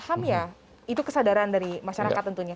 paham ya itu kesadaran dari masyarakat tentunya